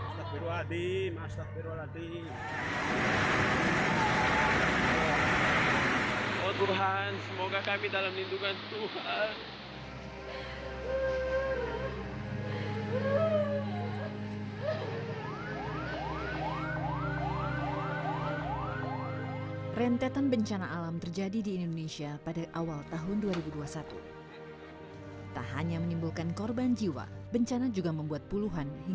semoga kami dalam lindungan tuhan